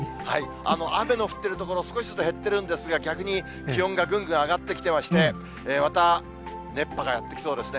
雨の降ってる所、少しずつ減ってるんですが、逆に、気温がぐんぐん上がってきてまして、また熱波がやって来そうですね。